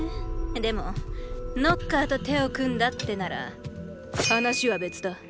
でもノッカーと手を組んだってなら話は別だ。